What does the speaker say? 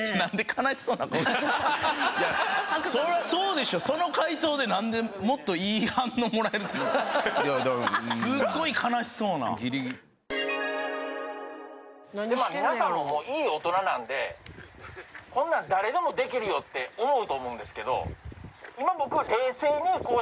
皆さんももういい大人なんでこんなん誰でもできるよって思うと思うんですけど。